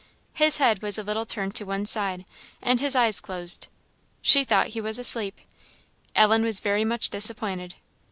His head was a little turned to one side, and his eyes closed; she thought he was asleep. Ellen was very much disappointed.